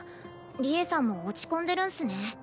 利恵さんも落ち込んでるんすね。